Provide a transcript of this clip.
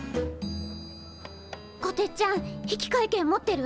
こてっちゃん引換券持ってる？